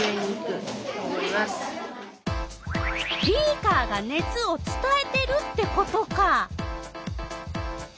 ビーカーが熱をつたえてるってことか。